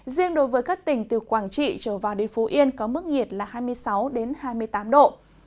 riêng đối với các tỉnh từ quảng trị trở vào đến phú yên có mức nhiệt là hai mươi sáu hai mươi tám độ